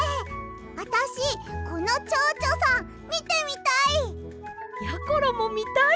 あたしこのチョウチョさんみてみたい！やころもみたいです！